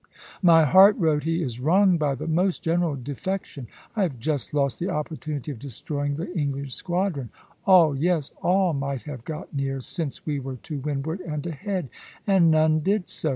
"My heart," wrote he, "is wrung by the most general defection. I have just lost the opportunity of destroying the English squadron.... All yes, all might have got near, since we were to windward and ahead, and none did so.